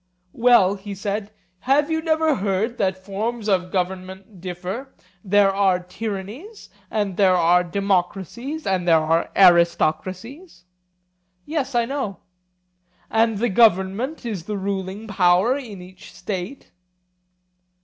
Well, he said, have you never heard that forms of government differ; there are tyrannies, and there are democracies, and there are aristocracies? Yes, I know. And the government is the ruling power in each state?